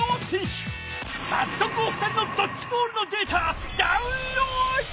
さっそくお二人のドッジボールのデータダウンロード！